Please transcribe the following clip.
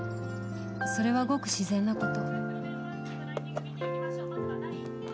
それはごく自然なこと。